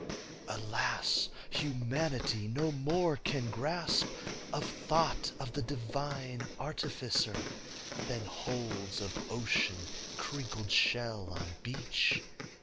Alas, humanity no more can grasp Of thought of the divine Artificer, Than holds of ocean crinkled shell on beach!